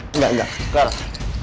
enggak enggak sekarang